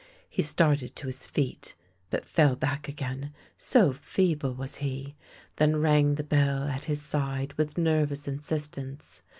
He started to his feet, but fell back again, so feeble was he, then rang the bell at his side with nervous insist ence.